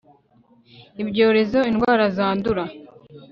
ibyorezo indwara zanduza